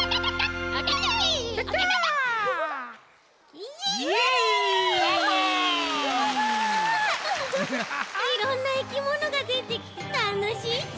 いろんないきものがでてきてたのしいち。